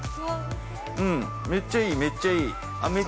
◆めっちゃいい、めっちゃいい。